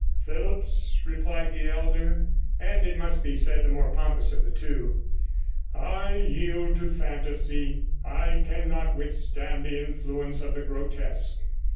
'Phillipps,' replied the elder and (it must be said) the more pompous of the two, 'I yield to fantasy; I cannot withstand the influence of the grotesque.